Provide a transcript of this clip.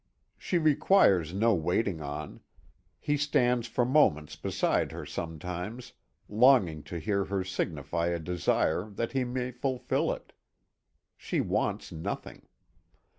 She requires no waiting on. He stands for moments beside her sometimes, longing to hear her signify a desire that he may fulfil it. She wants nothing.